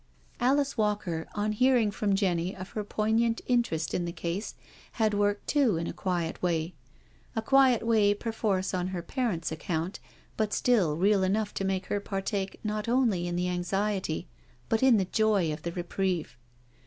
Alice Walker, on hearing from Jenny of her poignant interest in the case, had worked too in a quiet way. A quiet way perforce on her parents' account, but still real enough to xnake her partake not only in the anxiety but in the joy of the reprieve.